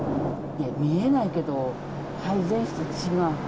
見えないけど、配膳室に血が。